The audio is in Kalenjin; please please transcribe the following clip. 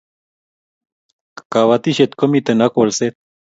Kabatishet ko mito ak kolset